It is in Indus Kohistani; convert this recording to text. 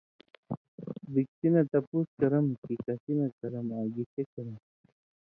بِکسی نہ تپُوس کرم کِھیں کسی نہ کرم آں گِشے کرم۔